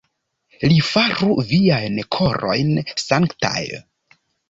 Li faru viajn korojn sanktaj.